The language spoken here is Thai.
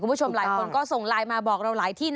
คุณผู้ชมหลายคนก็ส่งไลน์มาบอกเราหลายที่